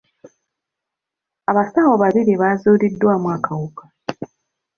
Abasawo babiri baazuuliddwamu akawuka.